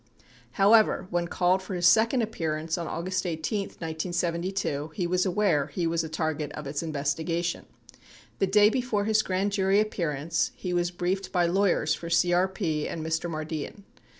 However, when called for his sec ond appearance on August 18, 1972, he was aware he was a target of its investigation. The day before his grand jury appearance he was briefed by lawyers for CRP and Mr. Mardian.